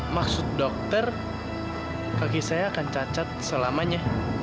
maksud dokter kaki saya akan cacat selamanya